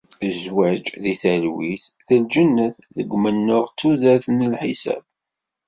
Zzwaǧ, deg talwit, d lǧennet ; deg umennuɣ, d tudert n lḥisab.